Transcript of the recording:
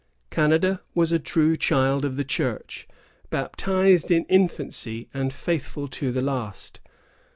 Canada was a true child of the Church, baptized in infancy and faithful to the last.